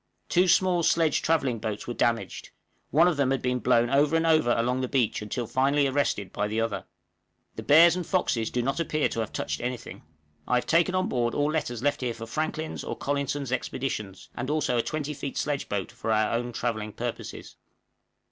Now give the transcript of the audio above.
Two small sledge travelling boats were damaged; one of them had been blown over and over along the beach until finally arrested by the other. The bears and foxes do not appear to have touched any thing. I have taken on board all letters left here for Franklin's or Collinson's expeditions and also a 20 feet sledge boat for our own travelling purposes.